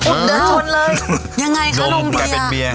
เดินชนเลยยังไงคะโรงเบียร์